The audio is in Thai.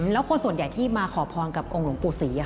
แล้วคนส่วนใหญ่ที่มาขอพรกับองค์หลวงปู่ศรี